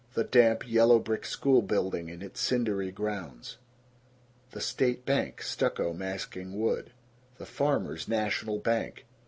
The damp, yellow brick schoolbuilding in its cindery grounds. The State Bank, stucco masking wood. The Farmers' National Bank.